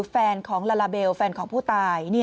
แฟนของลาลาเบลแฟนของผู้ตาย